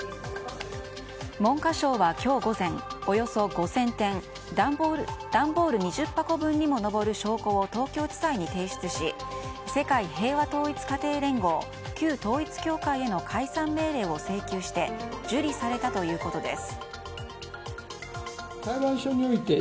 文科省は今日午前およそ５０００点段ボール２０箱分にも上る証拠を東京地裁に提出し世界平和統一家庭連合旧統一教会への解散命令を請求して受理されたということです。